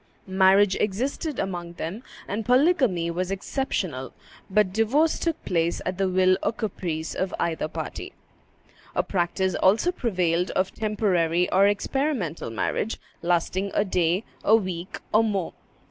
Marriage existed among them, and polygamy was exceptional; but divorce took place at the will or caprice of either party. A practice also prevailed of temporary or experimental marriage, lasting a day, a week, or more.